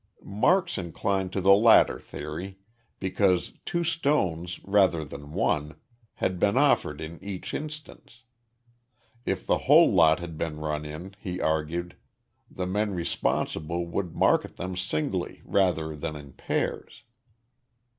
Marks inclined to the latter theory, because two stones, rather than one, had been offered in each instance. If the whole lot had been run in, he argued, the men responsible would market them singly, rather than in pairs.